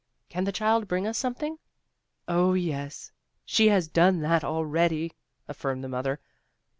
Can the child bring us something?" "Oh, yes, she has done that already," aflSrmed the mother.